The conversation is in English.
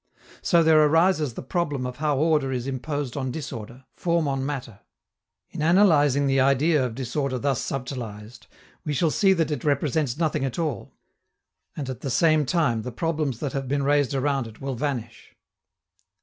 So there arises the problem how order is imposed on disorder, form on matter. In analyzing the idea of disorder thus subtilized, we shall see that it represents nothing at all, and at the same time the problems that have been raised around it will vanish.